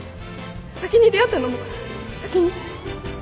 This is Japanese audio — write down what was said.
先に出会ったのも先に先